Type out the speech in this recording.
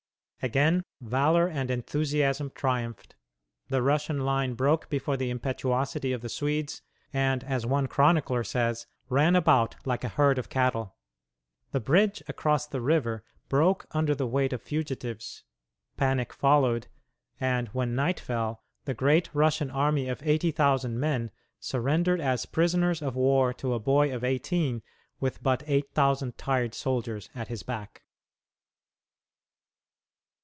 Again valor and enthusiasm triumphed. The Russian line broke before the impetuosity of the Swedes, and, as one chronicler says, "ran about like a herd of cattle"; the bridge across the river broke under the weight of fugitives, panic followed, and when night fell, the great Russian army of eighty thousand men surrendered as prisoners of war to a boy of eighteen with but eight thousand tired soldiers at his back.